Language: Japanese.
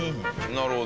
なるほど。